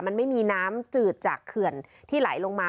มันไม่มีน้ำจืดจากเขื่อนที่ไหลลงมา